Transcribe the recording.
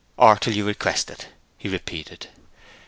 'Or till you request it,' he repeated.